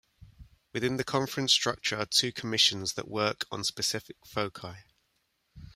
Within the Conference structure are two Commissions that work on specific foci.